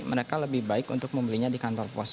mereka lebih baik untuk membelinya di kantor pos